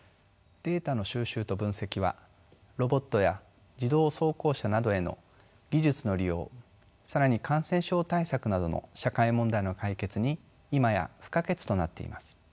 データの収集と分析はロボットや自動走行車などへの技術の利用更に感染症対策などの社会問題の解決に今や不可欠となっています。